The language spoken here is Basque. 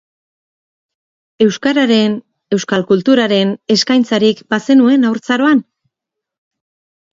Euskararen, euskal kulturaren, eskaintzarik bazenuen haurtzaroan?